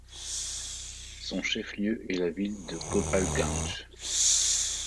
Son chef-lieu est la ville de Gopalganj.